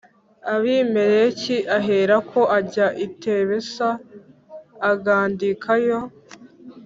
Abimeleki aherako ajya i Tebesa agandikayo